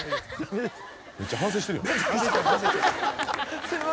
めっちゃ反省してるよ。